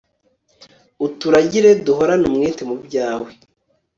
uturagire, duhorane umwete mu byawe